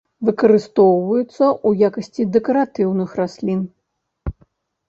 Выкарыстоўваюцца ў якасці дэкаратыўных раслін.